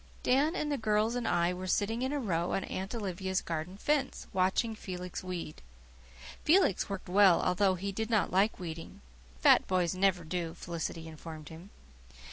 Dan and the girls and I were sitting in a row on Aunt Olivia's garden fence, watching Felix weed. Felix worked well, although he did not like weeding "fat boys never do," Felicity informed him.